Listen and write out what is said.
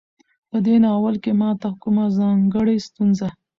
په دې ناول کې ماته کومه ځانګړۍ ستونزه